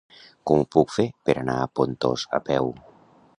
Com ho puc fer per anar a Pontós a peu?